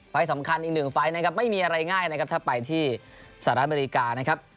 ไฟล์สำคัญอีกหนึ่งไม่มีอะไรง่ายถ้าไปที่สหรัฐอเมริกา